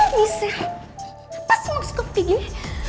kenapa semua seperti gini